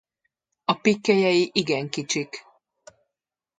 A pikkelyei igen kicsik.